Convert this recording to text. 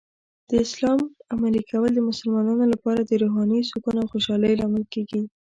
د اسلام عملي کول د مسلمانانو لپاره د روحاني سکون او خوشحالۍ لامل کیږي.